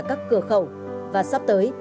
các cửa khẩu và sắp tới